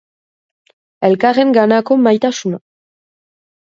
Elkarrenganako maitasuna.